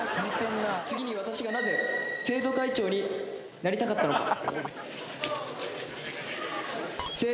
次に私がなぜ生徒会長になりたかったのか。